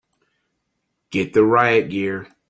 Get the riot gear!